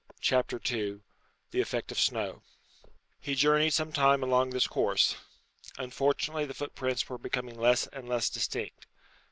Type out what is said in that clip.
CHAPTER II. THE EFFECT OF SNOW. He journeyed some time along this course. Unfortunately the footprints were becoming less and less distinct.